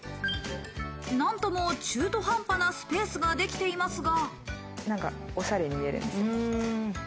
なんとも中途半端なスペースができていますが。